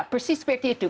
persis seperti itu